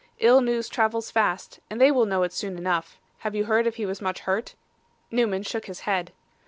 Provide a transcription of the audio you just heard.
Ill news travels fast, and they will know it soon enough. Have you heard if he was much hurt?' Newman shook his head.